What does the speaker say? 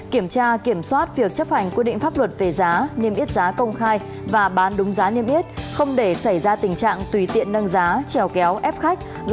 kiểm tra kiểm soát việc chấp hành quy định